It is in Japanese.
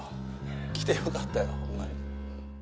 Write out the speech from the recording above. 来てよかったよ、ほんまに。